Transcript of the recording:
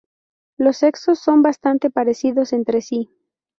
Los sexos son bastante parecidos entre sí.